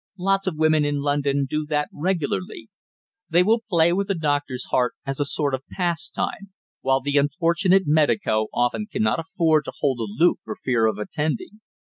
Lots of women in London do that regularly. They will play with a doctor's heart as a sort of pastime, while the unfortunate medico often cannot afford to hold aloof for fear of offending.